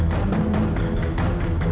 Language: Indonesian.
lepasin pak randy